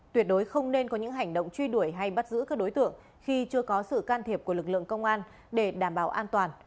tuyệt đối không nên có những hành động truy đuổi hay bắt giữ các đối tượng khi chưa có sự can thiệp của lực lượng công an